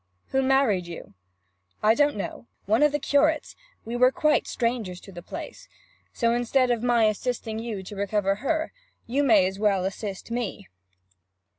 'Who married you?' 'I don't know. One of the curates we were quite strangers to the place. So, instead of my assisting you to recover her, you may as well assist me.'